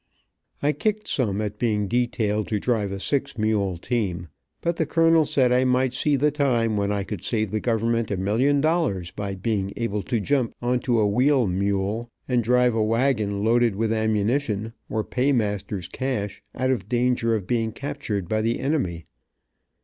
I kicked some at being detailed to drive a six mule team, but the colonel said I might see the time when I could save the government a million dol lars by being able to jump on to a wheel mule and drive a wagon loaded with ammunition, or paymaster's cash, out of danger of being captured by the enemy.